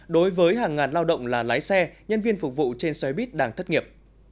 đối với hàng ngàn lao động là lái xe nhân viên phục vụ trên xoay bít đang thất nghiệp